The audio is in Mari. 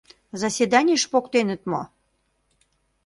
Заседанийыш поктеныт мо?